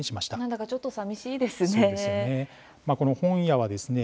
何だかちょっとさみしいですね。